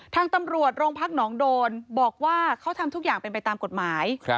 ทางตำรวจโรงพักหนองโดนบอกว่าเขาทำทุกอย่างเป็นไปตามกฎหมาย